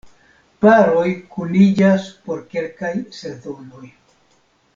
Paroj kuniĝas por kelkaj sezonoj.